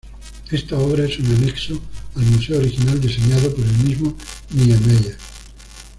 Esta obra es un anexo al museo original diseñado por el mismo Niemeyer.